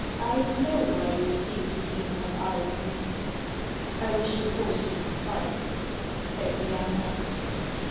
I know why you seek the demon of Iceland/' " I wish to force him to fight," said the young man.